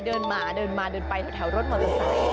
เดินมาเดินไปแถวรถมา